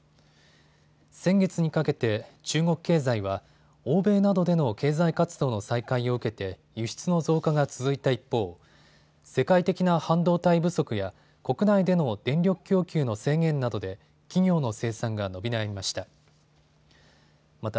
先月にかけて中国経済は欧米などでの経済活動の再開を受けて輸出の増加が続いた一方、世界的な半導体不足や国内での電力供給の制限などで企業の生産が伸び悩みました。